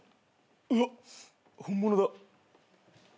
うわっ本物だ。